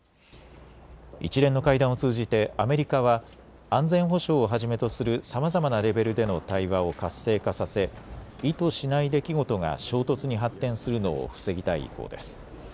一連の会談を通じてアメリカは安全保障をはじめとするさまざまなレベルでの対話を活性化させ意図しない出来事が衝突に発展するのを防ぎたい意向です。